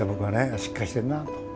しっかりしてるなって。